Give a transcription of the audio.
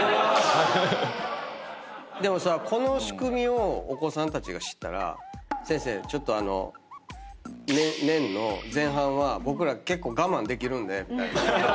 でもさこの仕組みをお子さんたちが知ったら先生ちょっと年の前半は僕ら結構我慢できるんでみたいな。